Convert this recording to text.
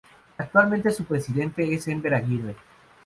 Actualmente su presidente es Enver Aguirre.